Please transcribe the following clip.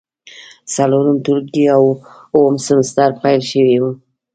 څلورم ټولګی او اووم سمستر پیل شوی و.